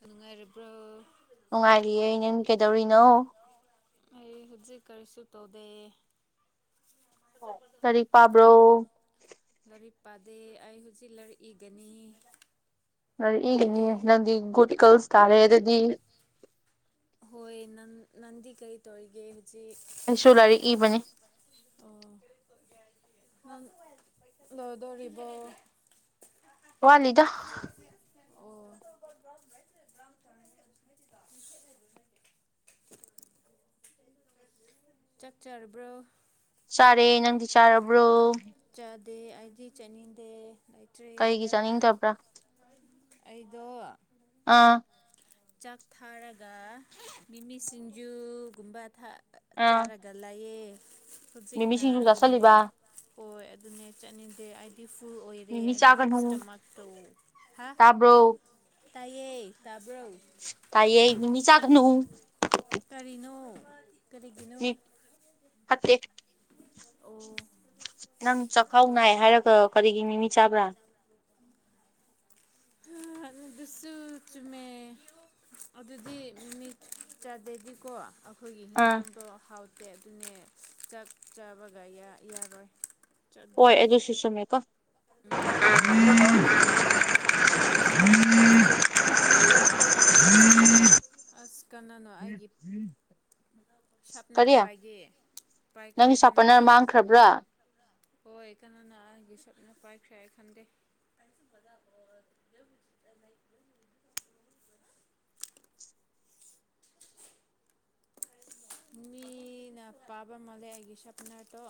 ꯅꯨꯡꯉꯥꯏꯔꯤꯕ꯭ꯔꯣ ꯅꯨꯡꯉꯥꯏꯔꯤꯌꯦ ꯅꯪ ꯀꯩꯗꯧꯔꯤꯅꯣ ꯑꯩ ꯍꯧꯖꯤꯛ ꯀꯔꯤꯁꯨ ꯇꯧꯗꯦ ꯂꯥꯏꯔꯤꯛ ꯄꯕ꯭ꯔꯣ ꯄꯗꯦ ꯑꯩ ꯍꯧꯖꯤꯛ ꯂꯥꯏꯔꯤꯛ ꯏꯒꯅꯤ ꯂꯥꯏꯔꯤꯛ ꯏꯒꯅꯤꯌꯦ ꯅꯪꯗꯤ ꯒꯨꯠꯒꯜꯁ ꯇꯔꯦ ꯑꯗꯨꯗꯤ ꯍꯣꯏ ꯅꯪ ꯅꯪꯗꯤ ꯀꯩ ꯇꯧꯔꯤꯒꯦ ꯍꯧꯖꯤꯛ ꯑꯩꯁꯨ ꯂꯥꯏꯔꯤꯛ ꯏꯕꯅꯤ ꯑꯣ ꯅꯪ ꯂꯣꯗꯧꯔꯤꯕꯣ ꯋꯠꯂꯤꯗ ꯑꯣ [unintelligible] ꯆꯥꯛ ꯆꯔꯕ꯭ꯔꯣ ꯆꯥꯔꯦ ꯅꯪꯗꯤ ꯆꯥꯔꯕ꯭ꯔꯣ ꯗꯦ ꯑꯩꯗꯤ ꯆꯅꯤꯡꯗꯦ ꯂꯩꯇ꯭ꯔꯦ ꯀꯩꯒꯤ ꯏꯕꯦꯝꯃ ꯆꯥꯅꯤꯡꯗꯕ꯭ꯔꯥ ꯑꯩꯗꯣ ꯑꯥ ꯆꯥꯛ ꯊꯥꯔꯒ ꯃꯤꯃꯤ ꯁꯤꯡꯖꯨꯒꯨꯝꯕ ꯊꯥ ꯑꯥ ꯆꯥꯔꯒ ꯂꯩꯌꯦ ꯃꯤꯃꯤ ꯍꯧꯖꯤꯛꯅ ꯁꯤꯡꯖꯨ ꯑꯗꯨꯅꯦ ꯆꯥꯁꯜꯂꯤꯕ ꯍꯣꯏ ꯑꯗꯨꯅꯦ ꯆꯠꯅꯤꯡꯗꯦ ꯑꯩ ꯐꯨꯜ ꯑꯣꯏꯔꯦ ꯃꯤꯃꯤ ꯑꯩꯒꯤ ꯆꯥꯒꯅꯨ ꯏꯁꯇꯣꯃꯛꯇꯣ ꯍꯥ ꯇꯥꯕ꯭ꯔꯣ ꯇꯏꯌꯦ ꯇꯞ ꯇꯥꯏꯌꯦ ꯃꯤꯃꯤ ꯆꯒ ꯀꯔꯤꯅꯣ ꯀꯔꯤꯒꯤꯅꯣ ꯐꯠꯇꯦ ꯑꯣ ꯅꯪ ꯆꯥꯛꯈꯥꯎ ꯍꯣꯏ ꯅꯥꯏ ꯍꯥꯏꯔꯒ ꯀꯔꯤꯒꯤ ꯃꯤꯃꯤ ꯆꯥꯕ꯭ꯔꯥ [inaudible] ꯑꯗꯨꯁꯨ ꯆꯨꯨꯃꯦ ꯑꯗꯨꯗꯤ ꯅꯨꯃꯤꯠ ꯆꯥꯗꯦꯗꯤꯀꯣ ꯑꯩꯈꯣꯏꯒꯤ ꯑꯥ ꯍꯤꯡꯖꯥꯡ ꯗꯣ ꯍꯥꯎꯇꯦ ꯑꯗꯨꯅꯦ ꯆꯥꯛ ꯆꯥꯕꯒ ꯌꯥꯔꯣꯏ ꯆꯠꯗꯨ ꯍꯣꯏ ꯑꯗꯨꯁꯨ ꯆꯝꯃꯦꯀꯣ ꯎꯝ [unintelligible] [unintelligible] ꯑꯁ ꯀꯅꯥꯅꯣ ꯑꯩꯒꯤ ꯁꯥꯞꯅꯔ ꯀꯔꯤ ꯄꯥꯏꯒꯦ ꯄꯥꯏꯈ꯭ꯔꯦ ꯅꯪꯒꯤ ꯁꯥꯄꯟꯅꯔ ꯀꯅꯥꯅ ꯃꯥꯡꯈ꯭ꯔꯕ꯭ꯔꯥ ꯁꯄꯅꯔ ꯃꯥꯡꯈꯔꯥꯕꯥꯔꯥ ꯍꯣꯏ ꯀꯅꯥꯅ ꯑꯩꯒꯤ ꯁꯞꯅꯔ ꯄꯥꯏꯈ꯭ꯔꯦ ꯑꯩ ꯈꯟꯗꯦ [inaudible] ꯃꯤꯅ ꯄꯥꯏꯕ ꯃꯥꯜꯂꯦ ꯑꯩꯒꯤ ꯁꯥꯔꯄꯅꯔꯗꯣ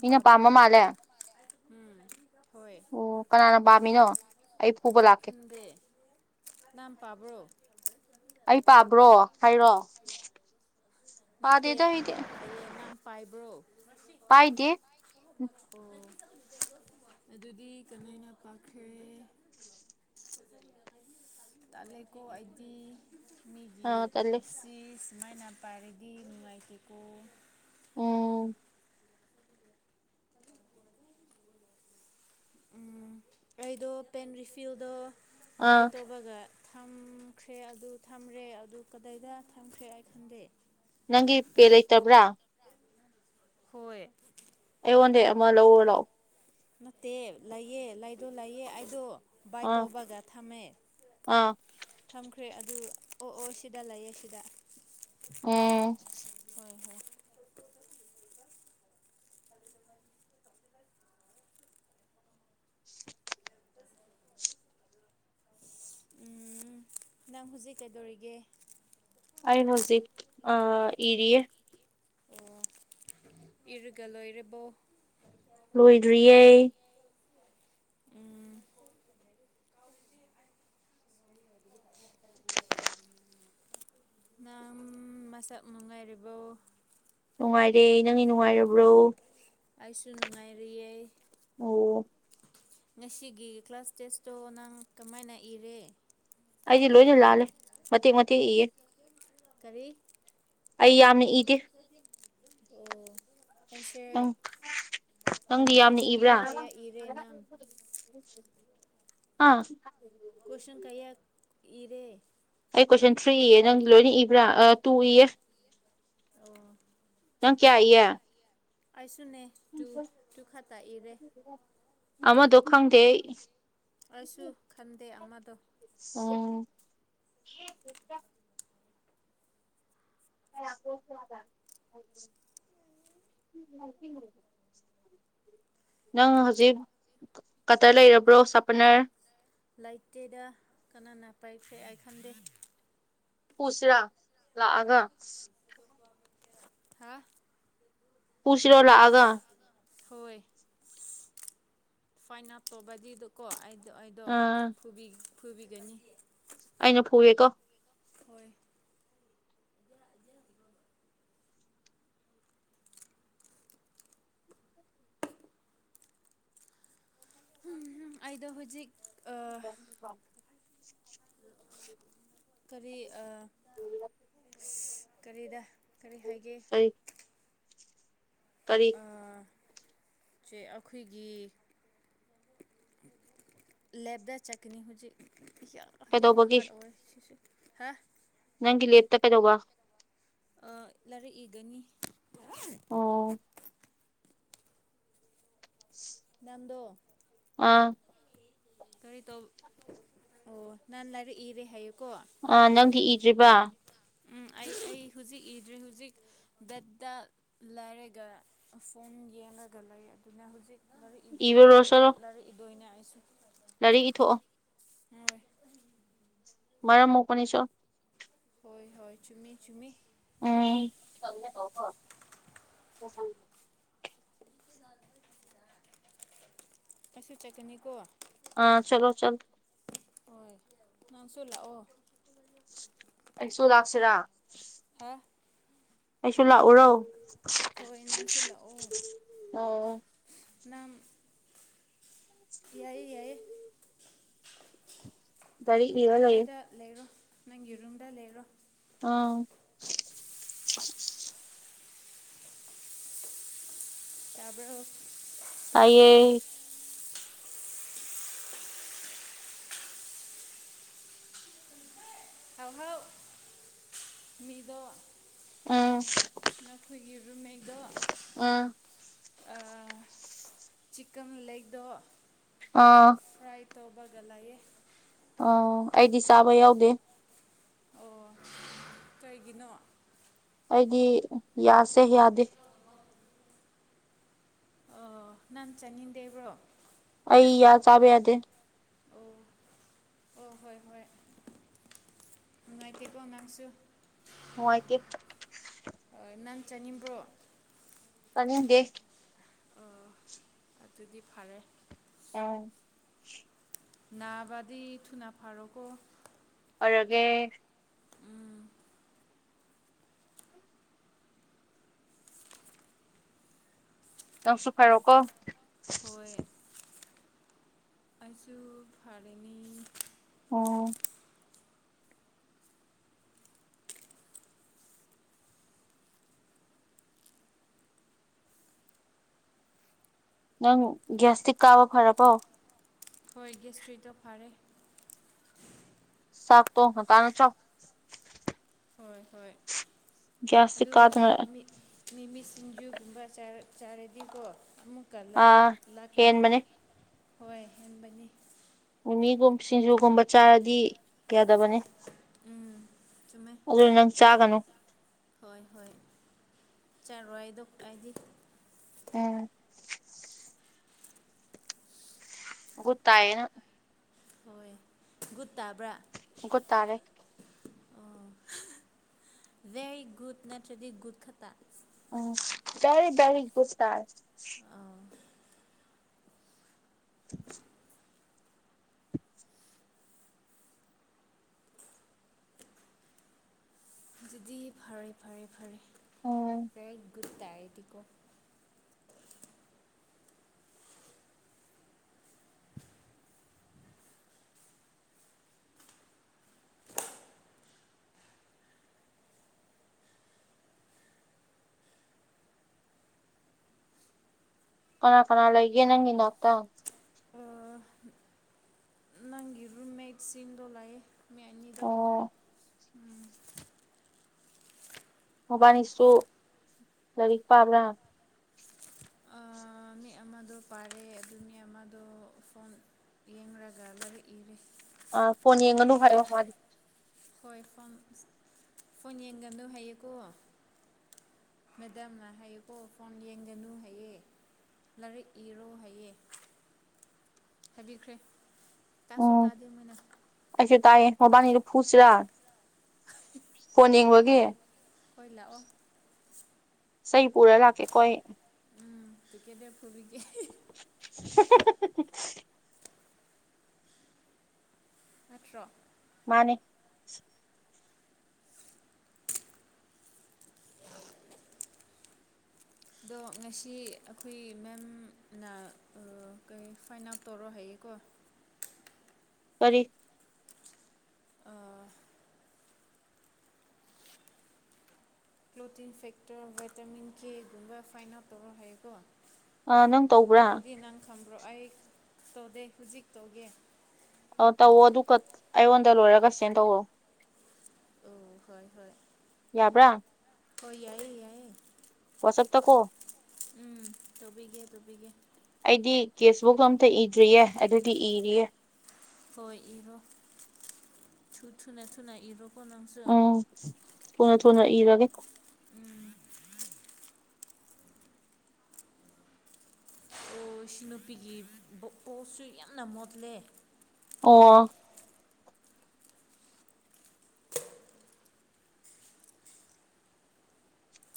ꯃꯤꯅ ꯄꯥꯝꯕ ꯃꯥꯂꯦ ꯎꯝ ꯍꯣꯏ ꯑꯣ ꯀꯅꯥꯅ ꯄꯥꯝꯃꯤꯅꯣ ꯑꯩ ꯐꯨꯕ ꯂꯥꯛ ꯈꯪꯗꯦ ꯀꯅꯥ ꯄꯥꯝ ꯑꯩ ꯄꯥꯕ꯭ꯔꯣ ꯍꯥꯏꯔꯣ ꯅꯠꯇꯦ ꯄꯥꯗꯦꯗ ꯑꯩꯗꯤ ꯑꯩꯅ ꯍꯥꯏꯌꯦ ꯅꯪ ꯄꯥꯏꯕ꯭ꯔꯣ ꯄꯥꯏꯗꯦ ꯑꯣ ꯑꯗꯨꯗꯤ ꯀꯅꯥꯅ ꯄꯥꯈ꯭ꯔꯦ ꯇꯥꯜꯂꯦꯀꯣ ꯑꯩꯗꯤ ꯑꯥ ꯇꯜꯂꯦ ꯃꯥꯏꯅꯥ ꯄꯥꯏꯔꯗꯤ ꯅꯨꯡꯉꯥꯏꯇꯦ ꯀꯣ [unintelligible] ꯑꯩꯗꯣ ꯄꯦꯟ ꯔꯤꯐꯤꯜꯗꯣ ꯕꯥꯏ ꯑꯥ ꯇꯧꯕꯒ ꯊꯝꯈ꯭ꯔꯦ ꯑꯗꯨ ꯊꯝꯔꯦ ꯑꯗꯨ ꯀꯗꯥꯏꯗ ꯊꯝꯈ꯭ꯔꯦ ꯑꯩ ꯈꯡꯗꯦ ꯅꯪꯒꯤ ꯄꯦ ꯂꯩꯇꯕ꯭ꯔꯥ ꯍꯣꯏ ꯑꯩꯉꯣꯟꯗꯩꯩ ꯑꯃ ꯂꯧꯑꯣ ꯂꯥꯛꯑꯣ ꯅꯠꯇꯦ ꯂꯩꯌꯦ ꯂꯩꯗꯣ ꯂꯩꯌꯦ ꯑꯩꯗꯣ ꯕꯥꯏ ꯑꯥ ꯇꯧꯕꯒ ꯊꯝꯃꯦ ꯑꯥ ꯊꯝ ꯈ꯭ꯔꯦ ꯑꯗꯨ ꯑꯣ ꯑꯣ ꯁꯤꯗ ꯂꯩꯌꯦꯦ ꯁꯤꯗ [unintelligible] ꯍꯣꯏ ꯍꯣꯏ ꯅꯪ ꯍꯧꯖꯤꯛ ꯀꯩꯗꯧꯔꯤꯒꯦ ꯑꯩ ꯍꯧꯖꯤꯛ ꯑ ꯏꯔꯤꯌꯦ ꯑꯣ ꯏꯔꯒꯂꯣꯏꯔꯕꯣ ꯂꯣꯏꯗ꯭ꯔꯤꯌꯦ [inaudible] [inaudible] ꯅꯪ ꯃꯁꯥꯛ ꯅꯨꯡꯉꯥꯏꯔꯤꯕꯣ ꯅꯨꯡꯉꯥꯏꯔꯤ ꯅꯪꯗꯤ ꯅꯨꯡꯉꯥꯏꯔꯤꯕ꯭ꯔꯣ ꯑꯩꯁꯨ ꯅꯨꯡꯉꯥꯏꯔꯤꯌꯦ ꯑꯣ ꯉꯁꯤꯒꯤ ꯀ꯭ꯂꯥꯁ ꯇꯦꯁꯇꯣ ꯅꯪ ꯀꯃꯥꯏꯅ ꯏꯔꯦ ꯑꯩꯗꯤ ꯂꯣꯏꯅ ꯂꯥꯜꯂꯦ ꯃꯇꯦꯛ ꯃꯇꯦꯛ ꯏꯌꯦ ꯀꯔꯤ ꯑꯩ ꯌꯥꯝꯅ ꯏ INAUDIBLE ꯅꯪ ꯑꯥ ꯅꯪꯗꯤ ꯌꯥꯝꯅ ꯀꯣꯏꯁꯟ ꯏꯕ꯭ꯔꯥ ꯀꯌꯥ ꯏꯔꯦ ꯅꯪ ꯍꯥꯑꯥ ꯀꯣꯏꯁꯟ ꯀꯌꯥ ꯏꯔꯦ ꯑꯩ ꯀꯣꯏꯁꯟ ꯊ꯭ꯔꯤ ꯏꯌꯦ ꯅꯪ ꯂꯣꯏꯅ ꯏꯕ꯭ꯔꯥ ꯑꯥ ꯇꯨ ꯏꯌꯦ ꯑꯣ ꯅꯪ ꯀꯌꯥ ꯏꯌꯦ ꯑꯩꯁꯨꯅꯦ ꯇꯨ ꯇꯨ ꯈꯛꯇ ꯏꯔꯦ ꯑꯃꯥꯗꯣ ꯈꯪꯗꯦ ꯑꯩ ꯑꯩꯁꯨ ꯈꯟꯗꯦ ꯑꯃꯥꯗꯣ ꯑꯣꯑꯣ INAUDIBLE INAUDIBLE ꯅꯪ ꯍꯧꯖꯤꯛ ꯀꯇꯔ ꯂꯩꯔꯕ꯭ꯔꯣ ꯁꯥꯄꯔꯅꯔ ꯂꯩꯇꯦꯗ ꯀꯅꯥꯅ ꯄꯥꯏꯈ꯭ꯔꯦ ꯑꯩ ꯈꯟꯗꯦ ꯄꯨꯨꯁꯤꯔꯥ ꯂꯥꯛꯑꯥꯒ ꯍꯥꯑꯥ ꯄꯨꯨꯁꯤꯔꯣ ꯂꯥꯛꯑꯥꯒ ꯍꯣꯏ ꯐꯥꯏꯅꯥ ꯇꯧꯕꯒꯤꯗꯀꯣ ꯑꯩꯗꯣ ꯑꯩꯗꯣ ꯑꯥ ꯐꯨꯕꯤ ꯐꯨꯕꯤꯒꯅꯤ ꯑꯩꯅ ꯐꯨꯋꯦꯀꯣ ꯍꯣꯏ ꯑꯩꯗꯣ ꯍꯨꯖꯤꯛ INAUDIBLE ꯀꯔꯤ ꯑꯥ ꯀꯔꯤꯗ ꯀꯔꯤ ꯍꯥꯏꯒꯦ ꯀꯥꯔꯤ ꯆꯦ ꯑꯈꯣꯏꯒꯤ ꯂꯦꯕꯗ ꯆꯠꯀꯅꯤ ꯍꯨꯖꯤꯛ ꯌꯥ ꯌꯥꯝꯅ ꯀꯩꯗꯧꯕꯒꯤ ꯍꯔꯠ ꯑꯣꯑꯦ ꯑꯁꯤꯁꯨ ꯍꯥ ꯒꯤ ꯂꯦꯕꯇ ꯀꯩꯗꯧꯕ ꯑꯥ ꯂꯥꯏꯔꯤꯛ ꯏꯒꯅꯤ ꯑꯣ ꯅꯪ ꯗꯣ ꯑꯥꯑꯥ ꯀꯔꯤ ꯇꯣꯕ ꯑꯣ ꯅꯪ ꯂꯥꯏꯔꯤꯛ ꯏꯔꯦ ꯍꯥꯏꯌꯦ ꯑꯥ ꯅꯪꯗꯤ ꯏꯗ꯭ꯔꯤꯕꯥ ꯏ ꯍꯨꯖꯤꯛ ꯏꯗ꯭꯭ꯔꯤ ꯍꯨꯖꯤꯛ ꯕꯦꯠꯇ ꯂꯩꯔꯦꯒ ꯑꯥ ꯐꯣꯟ ꯌꯦꯂꯒ ꯂꯩ ꯑꯗꯨꯅ ꯍꯨꯖꯤꯛ ꯏꯔꯨꯔꯣ ꯆꯠꯂꯣ ꯑꯩꯁꯨ ꯂꯥꯏꯔꯤꯛ ꯏꯊꯣꯛꯑꯣ ꯍꯣꯏ ꯃꯔꯝ ꯃꯣꯛꯄꯅꯤ ꯆꯣ ꯍꯣꯏ-ꯍꯣꯏ ꯆꯨꯝꯃꯤ-ꯆꯨꯝꯃꯤ INAUDIBLE ꯑꯩꯁꯨ ꯆꯠꯀꯅꯤꯀꯣ ꯑꯥ ꯆꯠꯂꯣ ꯆꯠꯂꯣ ꯍꯣꯏ ꯅꯪꯁꯨ ꯂꯥꯛꯑꯣ ꯑꯩꯁꯨ ꯂꯥꯛꯁꯤꯔ ꯍꯥ ꯑꯩꯁꯨ ꯂꯥꯛꯎꯔꯣ ꯑꯣ ꯍꯣꯏ ꯅꯪꯁꯨ ꯂꯥꯛꯑꯣ ꯅꯪ ꯌꯥꯏꯌꯦ ꯌꯥꯏꯌꯦ ꯂꯥꯏꯔꯤꯛ ꯏꯔ ꯂꯩꯌꯦ ꯑꯗꯨꯋꯥꯏꯗ ꯂꯩꯔꯣ ꯅꯪꯒꯤ ꯔꯨꯝꯗ ꯂꯩꯔꯣ ꯑꯥ ꯇꯕꯔꯣ ꯇꯥꯏꯌꯦ ꯑꯍꯥꯎ ꯃꯤꯗꯣ ꯎꯝ ꯅꯈꯣꯏꯒꯤ ꯔꯨꯝꯃꯦꯠꯇꯣ ꯎꯝ ꯆꯤꯛꯀꯟ ꯂꯦꯒꯗ ꯑꯥ ꯇꯧꯕꯒ ꯂꯩꯌꯦ ꯑ ꯑꯩꯗꯤ ꯆꯥꯕ ꯌꯥꯎꯗꯦ ꯑꯣ ꯀꯩꯒꯤꯅꯣ ꯑꯩꯗꯤ ꯌꯥꯁꯦ ꯌꯥꯗꯦ ꯑꯣ ꯅꯪ ꯆꯥꯅꯤꯡꯗꯦꯕ꯭ꯔꯣ ꯑꯩ ꯌꯥ ꯆꯥꯕ ꯌꯥꯗꯦ ꯑꯣ ꯑꯣ ꯍꯣꯏ ꯍꯣꯏ ꯅꯨꯡꯉꯥꯏꯇꯦꯀꯣ ꯅꯡꯁꯨ ꯅꯨꯡꯉꯥꯏꯇꯦ ꯅꯪ ꯆꯥꯅꯤꯡꯕ꯭ꯔꯣ ꯆꯥꯅꯤꯡꯗꯦ ꯑ ꯑꯗꯨꯗꯤ ꯐꯔꯦ ꯑꯥ ꯅꯥꯕꯗꯤ ꯊꯨꯅꯥ ꯐꯔꯣ ꯀꯣ ꯑꯣꯏꯔꯒꯦ ꯅꯪꯁꯨ ꯐꯔꯣ ꯀꯣ ꯍꯣꯏ ꯑꯩꯁꯨ ꯐꯥꯔꯅꯤ ꯎꯝ ꯅꯪ ꯒ꯭ꯁꯇ꯭ꯤꯛ ꯀꯥꯕ ꯐꯔꯕꯣ ꯍꯣꯏ ꯒꯦꯁꯇ꯭ꯔꯤꯗꯣ ꯐꯔꯦ ꯆꯥꯛꯇꯣ ꯉꯟꯇꯥꯅꯥ ꯆꯥꯑꯣ ꯍꯣꯏ ꯍꯣꯏ ꯑꯗꯨ ꯀꯥꯗꯅ ꯃꯤ ꯃꯤꯃꯤ ꯁꯤꯡꯖꯨꯒꯨꯝꯕ ꯆꯥꯔ ꯆꯥꯔꯗꯤꯀꯦ ꯑꯃꯨꯛꯀ ꯑꯥ ꯂꯥꯛꯀꯅꯤ ꯍꯦꯟꯕꯅꯦ ꯍꯣꯏ ꯍꯥꯏꯕꯅꯤ ꯃꯤꯒꯨꯝ ꯁꯤꯡꯖꯨꯒꯨꯝꯕ ꯆꯥꯔꯗꯤ ꯌꯥꯗꯕꯅꯤ ꯎꯝ ꯆꯨꯝꯃꯦ ꯑꯗꯨ ꯅꯪ ꯆꯥꯒꯅꯨ ꯍꯣꯏ ꯍꯣꯏ ꯆꯥꯔꯣꯏ ꯑꯗꯨꯝ ꯑꯩꯗꯤ ꯎꯝ ꯒꯨꯗ ꯇꯏꯌꯦ ꯅꯡ ꯍꯣꯏ ꯒꯨꯗ ꯇꯥꯕ꯭ꯔꯥ ꯒꯨꯗ ꯇꯥꯔꯦ ꯑꯣ ꯚꯦꯔꯤ ꯒꯨꯗ ꯅꯇꯔꯗꯤ ꯒꯨꯗ ꯈꯛꯇ UNINTELLIGIBLE ꯑꯥ INAUDIBLE ꯑꯗꯨꯗꯤ ꯐꯔꯦ ꯐꯔꯦ ꯐꯔꯦ ꯎꯝ ꯚꯦꯔꯤ ꯒꯨꯠ ꯇꯥꯏꯌꯦꯗꯤꯀꯣ ꯀꯅꯥ ꯀꯅꯥ ꯂꯩꯒꯦ ꯅꯪꯒꯤ ꯅꯥꯥꯛꯇ ꯑꯥ ꯅꯪꯒꯤ ꯔꯨꯝꯃꯦꯠꯁꯤꯡꯗꯣ ꯂꯩꯑꯦ ꯃꯤ ꯑꯅꯤꯗꯣ ꯑꯣ INAUDIBLE ꯃꯕꯥꯅꯤꯁꯨ ꯂꯥꯏꯔꯤꯛ ꯄꯥꯕ꯭ꯔꯥ ꯑꯥ ꯃꯤ ꯑꯃꯗꯣ ꯄꯥꯔꯦ ꯑꯗꯨ ꯃꯤ ꯑꯃꯗꯣ ꯐꯣꯟ ꯌꯦꯡꯂꯒ ꯂꯥꯏꯔꯤꯛ ꯏꯔꯦ ꯑꯥ ꯐꯣꯟ ꯌꯦꯡꯒꯅꯨ ꯍꯥꯏꯔꯣ ꯃꯥꯗꯣ ꯍꯣꯏ ꯐꯣꯟ ꯐꯣꯟ ꯌꯦꯡꯒꯨ ꯍꯥꯏꯌꯦꯀꯣ ꯃꯦꯗꯥꯝꯅ ꯍꯥꯏꯌꯦꯀꯣ ꯐꯣꯟꯌꯦꯡꯒꯅꯨ ꯍꯥꯏꯌꯦ ꯂꯥꯏꯔꯤꯛ ꯏꯔꯣ ꯍꯥꯏꯌꯦ ꯍꯥꯏꯕꯤꯈ꯭ꯔꯦ ꯇꯥꯁꯨ ꯎꯪ ꯇꯥꯗꯦ ꯃꯣꯏꯅ ꯑꯩꯖꯨ ꯇꯥꯏꯌꯦ ꯃꯕꯥꯅꯤꯗꯣ ꯐꯨꯁꯤꯔꯥ ꯐꯣꯟ ꯌꯦꯡꯕꯒꯤ ꯍꯣꯏꯜ ꯍꯣꯏ ꯂꯥꯛꯑꯣ ꯆꯩ ꯄꯨꯔ ꯂꯥꯛꯀꯦꯀꯣ ꯑꯩ UNINTELLIGIBLE INAUDIBLE ꯅꯠꯇ꯭ꯔꯣ ꯃꯥꯟꯅꯦ ꯑꯗꯣ ꯉꯁꯤ ꯑꯩꯈꯣꯏ ꯃꯦꯝ ꯅꯥ ꯑꯥ ꯀꯩ ꯐꯥꯏꯟ ꯑꯥꯎꯠ ꯇꯧꯔꯣ ꯍꯥꯏꯌꯦ ꯀꯣ ꯀꯥꯔꯤ ꯑꯥꯑꯥ ꯀ꯭ꯂꯣꯇꯤꯟ ꯐꯦꯛꯇꯔ ꯚꯥꯏꯇꯥꯃꯤꯟ ꯀꯦ ꯒꯨꯝꯕ ꯐꯥꯏꯟ ꯑꯥꯎꯠ ꯇꯧꯔꯣꯍꯥꯏꯌꯦꯀꯣ ꯑꯥ ꯅꯪ ꯇꯧꯕ꯭ꯔꯥ ꯈꯪꯕ꯭ꯔꯣ ꯑꯩ ꯇꯧꯗꯦ ꯍꯧꯖꯤꯛ ꯇꯧꯒꯦ ꯑꯣ ꯇꯧꯋꯣ ꯑꯗꯨꯒ ꯑꯩꯉꯣꯟꯗ ꯂꯣꯏꯔꯒ ꯁꯦꯟ ꯇꯧꯑꯣ ꯑꯪ ꯍꯣꯏ ꯍꯣꯏ ꯌꯥꯕ꯭ꯔꯥ ꯍꯣꯏ ꯌꯥꯏꯌꯦ-ꯌꯥꯏꯌꯦ ꯋꯥꯆꯞꯇꯀꯣ ꯎꯝ ꯇꯧꯕꯤꯒꯦ ꯇꯧꯕꯤꯒꯦ ꯑꯩꯗꯤ ꯀꯦꯁꯕꯨꯛꯀ ꯑꯝꯇ ꯏꯗ꯭ꯔꯤꯌꯦ ꯑꯗꯨꯒꯤ ꯏꯔꯤꯌꯦ ꯍꯣꯏ ꯏꯔꯣ ꯊꯨ ꯊꯨꯅ- ꯊꯨꯅ ꯏꯔꯣꯀꯣ ꯅꯪꯁꯨꯤ ꯎꯝ ꯊꯨꯅ- ꯊꯨꯅ ꯏꯔꯒꯦ INAUDIBLE ꯑꯣ ꯏꯁꯨ ꯅꯨꯨꯄꯤꯒꯤ ꯎꯁꯨ ꯌꯥꯝꯅ ꯃꯣꯠꯂꯦ ꯑꯣꯑꯣ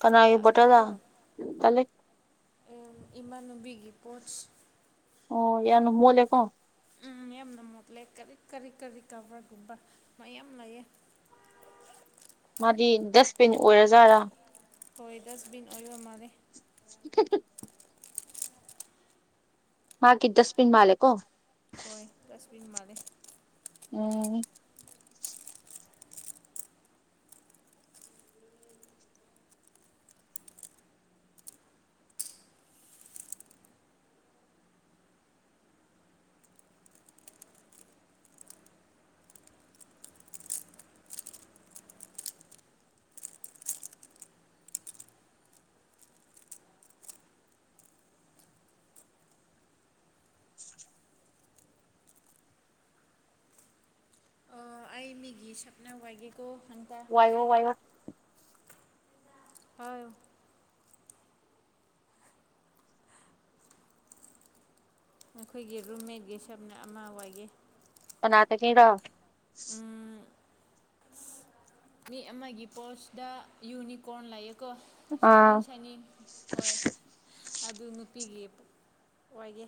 ꯀꯥꯅꯥꯒꯤ ꯕꯣꯇꯜꯂꯥ ꯇꯜꯂꯤ ꯎꯝ ꯏꯃꯥꯟꯅꯕꯤꯒꯤ ꯄꯣꯠꯁ ꯑꯣ ꯌꯥꯝꯅ ꯃꯣꯠꯂꯦꯀꯣ ꯎꯪ ꯌꯥꯝꯅ ꯃꯣꯠꯂꯦ ꯀꯔꯤ ꯀꯔꯤ ꯀꯔꯤ ꯀꯔꯕꯥꯔꯒꯨꯝꯕ ꯃꯌꯥꯝ ꯂꯩꯌꯦ INAUDIBLE ꯗꯤ ꯗꯁ ꯕꯤꯟ ꯑꯣꯏꯔꯖꯥꯠꯂꯥ ꯍꯣꯏ ꯗꯁꯕꯤꯟ ꯑꯣꯏꯕ ꯃꯥꯜꯂꯦ [unintelligible] ꯃꯥꯀꯤ ꯗꯁꯕꯤꯟ ꯃꯥꯜꯂꯦꯀꯣ ꯍꯣꯏ ꯗꯁꯕꯤꯟ ꯃꯥꯜꯂꯦ ꯎꯝ [inaudible] ꯑꯩ ꯃꯤꯒꯤ ꯁꯥꯞꯅꯔ ꯋꯥꯏꯒꯦꯀꯣ ꯍꯟꯇ ꯋꯥꯏꯌꯣ ꯋꯥꯏꯌꯣ ꯄꯥꯏꯌꯣ ꯅꯈꯣꯏꯒꯤ ꯔꯨꯝꯃꯦꯠꯀꯤ ꯁꯞꯅꯔ ꯑꯃ ꯋꯥꯏꯒꯦ ꯀꯅꯥꯗꯒꯤꯔꯣ ꯎꯝ ꯃꯤ ꯑꯃꯒꯤ ꯄꯣꯁꯇ ꯌꯨꯅꯤꯀꯣꯔꯟ ꯂꯥꯏꯌꯦ ꯀꯣ ꯁꯥꯅꯤ ꯑꯥ ꯁꯥꯅꯤꯡ ꯑꯣꯏ ꯑꯗꯨ ꯅꯨꯄꯤꯒꯤ ꯋꯥꯏꯒꯦ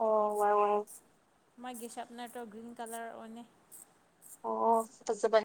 ꯑꯣ ꯋꯥꯎ ꯋꯥꯎ ꯃꯥꯒꯤ ꯁꯥꯔꯞꯅꯔꯗꯣ ꯒ꯭ꯔꯤꯟ ꯀꯂꯔ ꯑꯣꯏꯅꯦ ꯑꯣ ꯐꯖꯕꯅꯦ